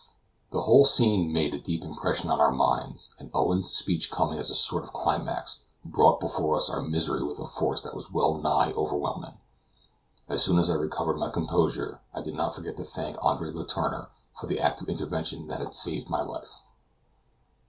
The whole scene made a deep impression on our minds, and Owen's speech coming as a sort of climax, brought before us our misery with a force that was well nigh overwhelming. As soon as I recovered my composure, I did not forget to thank Andre Letourneur for the act of intervention that had saved my life.